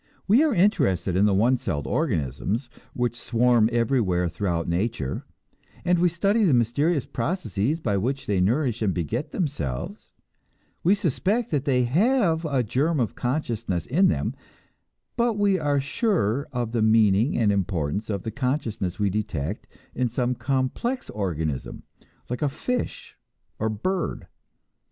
We are interested in the one celled organisms which swarm everywhere throughout nature, and we study the mysterious processes by which they nourish and beget themselves; we suspect that they have a germ of consciousness in them; but we are surer of the meaning and importance of the consciousness we detect in some complex organism like a fish or bird.